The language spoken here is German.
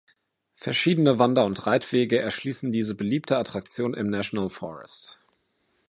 Verschiedene Wander- und Reitwege erschließen diese beliebte Attraktion im National Forest.